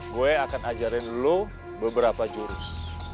gue akan ajarin dulu beberapa jurus